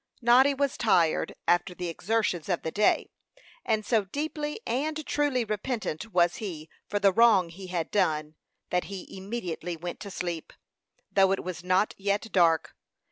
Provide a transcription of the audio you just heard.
Noddy was tired, after the exertions of the day; and so deeply and truly repentant was he for the wrong he had done, that he immediately went to sleep, though it was not yet dark.